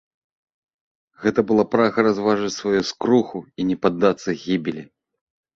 Гэта была прага разважыць сваю скруху і не паддацца гібелі.